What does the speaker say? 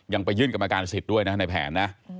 ยังไปยื่นกรรมการสิทธิ์ด้วยนะในแผนนะ